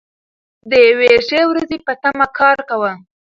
د یوې ښې ورځې په تمه کار کوو.